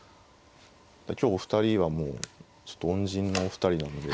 今日お二人はもうちょっと恩人のお二人なんで。